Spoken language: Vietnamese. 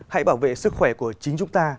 hãy bảo vệ sức khỏe của chính chúng ta